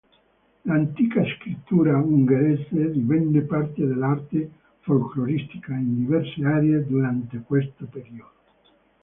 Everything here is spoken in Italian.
L'antica scrittura ungherese divenne parte dell'arte folcloristica in diverse aree durante questo periodo.